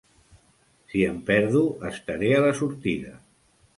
Si em perdo, estaré a la sortida.